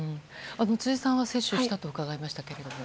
辻さんは、接種したと伺いましたけれども。